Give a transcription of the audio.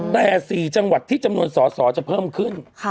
แต่๔จังหวัดที่จำนวนสอสอจะเพิ่มขึ้น